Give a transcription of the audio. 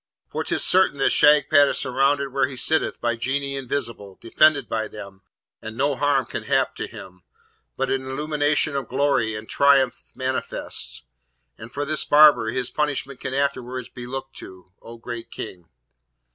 for 'tis certain that Shagpat is surrounded where he sitteth by Genii invisible, defended by them, and no harm can hap to him, but an illumination of glory and triumph manifest": and for this barber, his punishment can afterwards be looked to, O great King!'